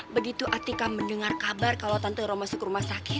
begitu atika mendengar kabar kalo tante ro masuk ke rumah sakit